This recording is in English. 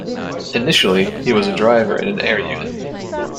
Initially, he was a driver in an air unit.